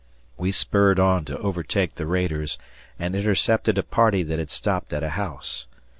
We spurred on to overtake the raiders and intercepted a party that had stopped at a house.